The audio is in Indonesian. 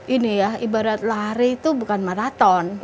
ini ya ibarat lari itu bukan maraton